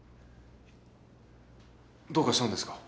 どうかしたんですか？